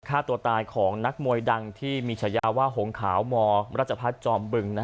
ฆ่าตัวตายของนักมวยดังที่มีฉายาว่าหงขาวมรัชพัฒน์จอมบึง